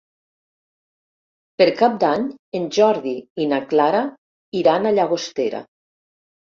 Per Cap d'Any en Jordi i na Clara iran a Llagostera.